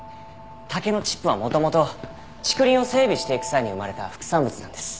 竹のチップは元々竹林を整備していく際に生まれた副産物なんです。